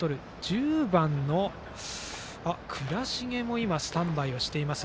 １０番の倉重もスタンバイしています。